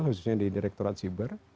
khususnya di direkturat siber